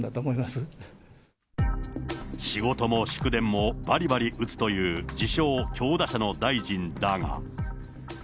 仕事も祝電もばりばり打つという、自称、強打者の大臣だが。